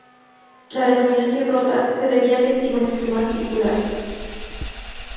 La denominación "rota" se debía a que sigue un esquema circular.